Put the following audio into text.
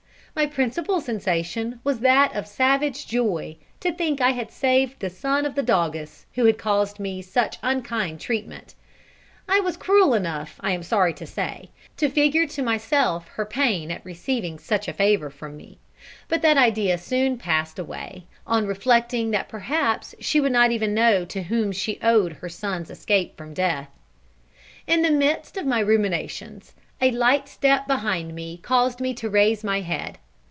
My principal sensation was that of savage joy, to think I had saved the son of the doggess who had caused me such unkind treatment. I was cruel enough, I am sorry to say, to figure to myself her pain at receiving such a favour from me but that idea soon passed away, on reflecting that perhaps she would not even know to whom she owed her son's escape from death. In the midst of my ruminations, a light step behind me caused me to raise my head.